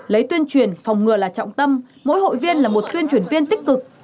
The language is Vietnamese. lấy tuyên truyền phòng ngừa là trọng tâm mỗi hội viên là một tuyên truyền viên tích cực